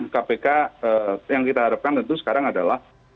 kpk yang kita harapkan tentu sekarang adalah